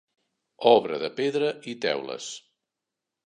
Obra de pedra i teules.